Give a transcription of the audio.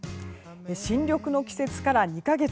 新緑の季節から２か月。